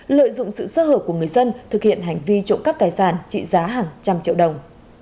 lợi dụng sự sơ hở của người dân thực hiện hành vi trộm cắp tài sản trị giá hàng trăm triệu đồng